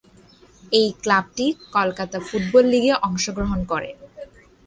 এই ক্লাবটি কলকাতা ফুটবল লিগে অংশগ্রহণ করে।